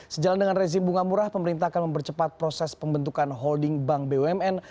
sejalan dengan rezim bunga murah pemerintah akan mempercepat proses pembentukan holding bank bumn